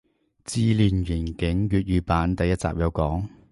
自戀刑警粵語版第一集有講